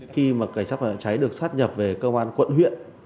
khi mà cảnh sát phòng cháy được sát nhập về cơ quan quận huyện